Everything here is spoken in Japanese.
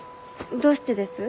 どうしてです？